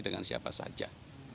dengan siapa saja